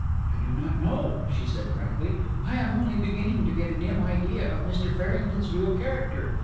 "I do not know," she said, frankly. "I am only beginning to get a dim idea of Mr. Farrington's real character.